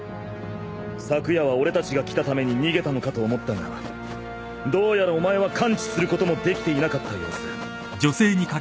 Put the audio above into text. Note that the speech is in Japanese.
昨夜は俺たちが来たために逃げたのかと思ったがどうやらお前は感知することもできていなかった様子。